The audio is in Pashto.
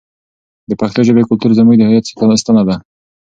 د پښتو ژبې کلتور زموږ د هویت ستنه ده.